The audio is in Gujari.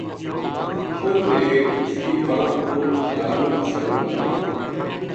اُنھ نے اس کی بانہہ پو دورو شارو لایو